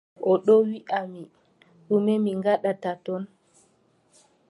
O ɗo wiʼa mi, ɗume mi ngaɗata ton.